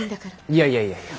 いやいやいやいや。